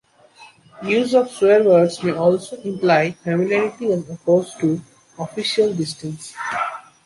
Use of swearwords may also imply familiarity as opposed to official distance.